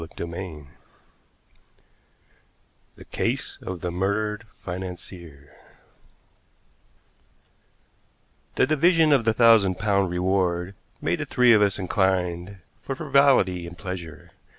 CHAPTER XIV THE CASE OF THE MURDERED FINANCIER The division of the thousand pound reward made the three of us inclined for frivolity and pleasure.